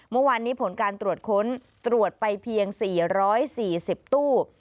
เมื่อวานนี้ผลการตรวจค้นตรวจไปเพียง๔๔๐ตู้